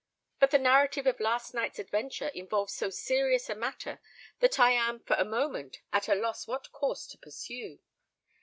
But the narrative of last night's adventure involves so serious a matter that I am for a moment at a loss what course to pursue.